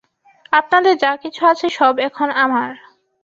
আপনাদের যা কিছু আছে সব এখন আমার।